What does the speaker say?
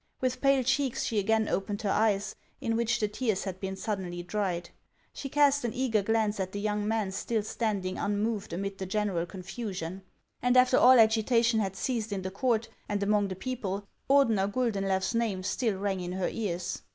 "With pale cheeks, she again opened her eyes, in which the tears had been suddenly dried. She cast an eager glance at the young man still standing unmoved amid the general confusion ; and after all agitation had ceased in the court and among the people, Ordener Guldenlew's name still rang in her ears.